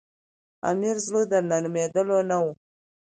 امیر زړه د نرمېدلو نه وو.